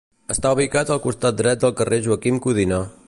Està ubicat al costat dret del carrer Joaquim Codina.